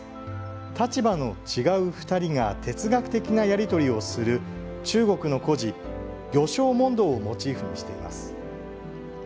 立場の違う２人が哲学的なやり取りをする中国の故事「魚樵問答」をモチーフにしています。